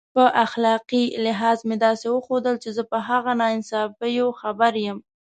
په اخلاقي لحاظ مې داسې وښودل چې زه په هغه ناانصافیو خبر یم.